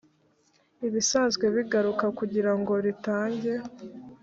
ibisanzwe bigakura kugira ngo ritange